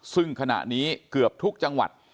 ซึ่งขณะนี้เกือบทุกจังหวัด